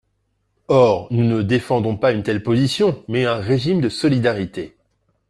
Or nous ne défendons pas une telle position, mais un régime de solidarité.